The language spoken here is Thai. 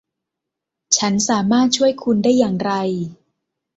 ฉันสามารถช่วยคุณได้อย่างไร